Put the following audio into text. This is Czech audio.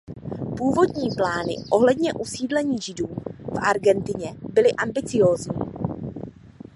Původní plány ohledně usídlení Židů v Argentině byly ambiciózní.